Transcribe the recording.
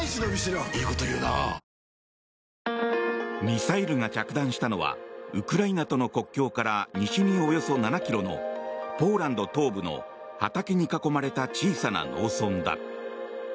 ミサイルが着弾したのはウクライナとの国境から西におよそ７ｋｍのポーランド東部の畑に囲まれた小さな農村だ。